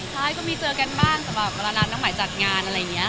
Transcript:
ใช่ก็มีเจอกันบ้างสำหรับร้านน้องใหม่จัดงานไรเงี้ยค่ะ